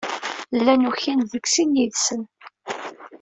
Llan ukin deg sin yid-sen.